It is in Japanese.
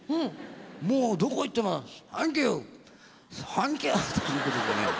もうどこ行っても「サンキューサンキュー」ということでね。